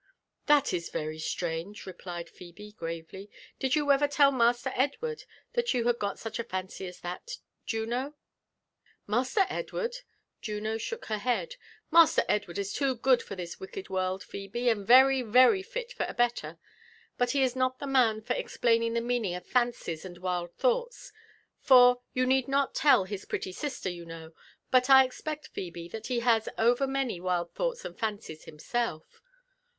" "That is very strange," replied Phebe gravely. "Did you ever tell Master Edward that you had got such a fancy as that, Juno?" " Master Edward?'— Juno shook her head. —" Master Edward is too good for this wicked world, Phebe, and very, very fit for a belter. But he is not the man for explaining the meaning of fancies and wild thoughts; for, you need not tell his pretty sister, you know — but I expect, Phebe, that he has over many wild thoughts and fancies himself."